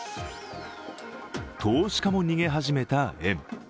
投資家も逃げ始めた円。